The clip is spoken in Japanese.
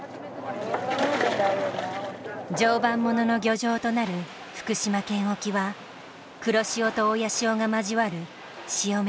常磐ものの漁場となる福島県沖は黒潮と親潮が交わる潮目の海。